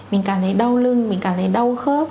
mình cảm thấy đau lưng mình cảm thấy đau khớp